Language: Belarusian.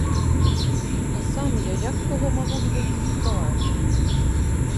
А сам я як каго магу ідэнтыфікаваць?